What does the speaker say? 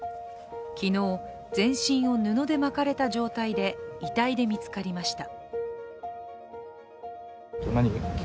昨日、全身を布で巻かれた状態で遺体で見つかりました。